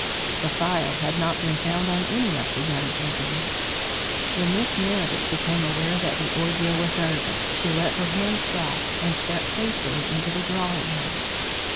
The phial had not been found on any of the young gentlemen. When Miss Meredith became aware that the ordeal was over, she let her hands drop, and stepped hastily into the drawing room.